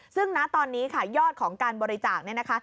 ซึ่งณตอนนี้ค่ะยอดของการบริจาคเนี่ยนะคะ